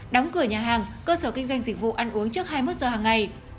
đóng cửa nhà hàng cơ sở kinh doanh dịch vụ ăn uống trước hai mươi một giờ hàng ngày